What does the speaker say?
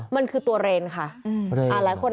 มันคือตัวเรนค่ะ